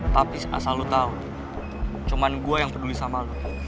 tapi asal lo tau cuma gue yang peduli sama lo